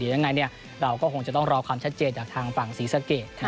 อย่างไรเนี่ยเราก็คงจะต้องรอความชัดเจนจากภังฝั่งศรีสะเกตนะครับ